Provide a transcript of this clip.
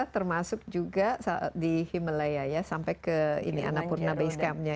termasuk juga di himalaya ya sampai ke ini annapurna base campnya